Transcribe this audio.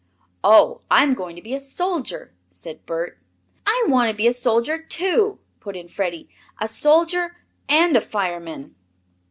"Oh, I'm going to be a soldier," said Bert. "I want to be a soldier, too," put in Freddie. "A soldier and a fireman."